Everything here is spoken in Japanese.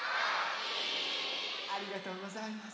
ありがとうございます。